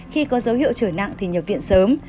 khi có dấu hiệu trở nặng thì nhập viện sớm